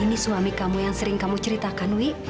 ini suami kamu yang sering kamu ceritakan wi